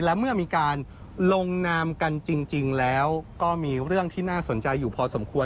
และเมื่อมีการลงนามกันจริงแล้วก็มีเรื่องที่น่าสนใจอยู่พอสมควร